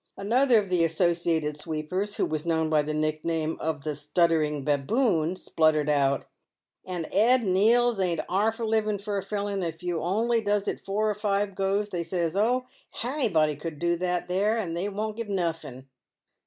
Another of the Associated Sweepers, who was known by the nick name of the " Stuttering Baboon," spluttered out — "And 'ead and 'eels ain't 'arf a living for a feller, for if you only does it four or five goes, they says * Oh, hany body could do that there,' and they won't give nuffen."